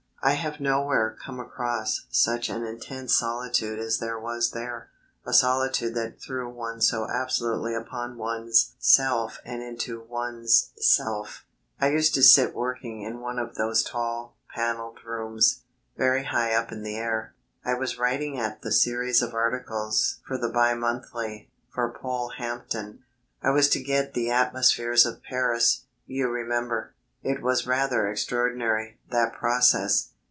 I have nowhere come across such an intense solitude as there was there, a solitude that threw one so absolutely upon one's self and into one's self. I used to sit working in one of those tall, panelled rooms, very high up in the air. I was writing at the series of articles for the Bi Monthly, for Polehampton. I was to get the atmosphere of Paris, you remember. It was rather extraordinary, that process.